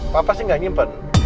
papa sih gak nyimpen